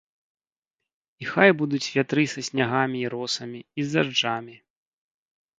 І хай будуць вятры са снягамі і з росамі, і з дажджамі!